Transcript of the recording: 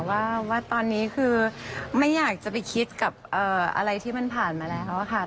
ว่าตอนนี้คือไม่อยากจะไปคิดกับอะไรที่มันผ่านมาแล้วค่ะ